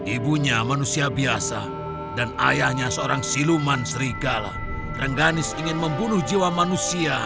ibunya manusia biasa dan ayahnya seorang siluman serigala rengganis ingin membunuh jiwa manusia